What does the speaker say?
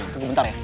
tunggu bentar ya